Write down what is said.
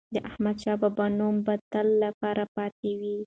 د احمدشاه بابا نوم به د تل لپاره پاتې وي.